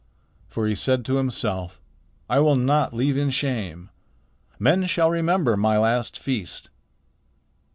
For he said to himself, 'I will not leave in shame. Men shall remember my last feast.'